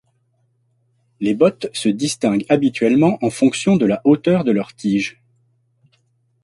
Les bottes se distinguent habituellement en fonction de la hauteur de leur tige.